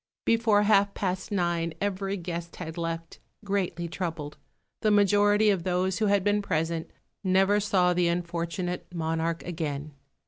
Before half past nine every guest had left, greatly troubled. The majority of those who had been present never saw the unfortunate monarch again.